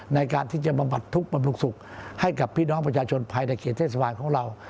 ในการที่จะบำบัดทุกข์บำรุงสุขให้กับพี่น้องประชาชนภายในเขตเทศบาลของเรา